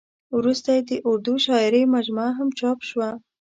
ورسته یې د اردو شاعرۍ مجموعه هم چاپ شوه.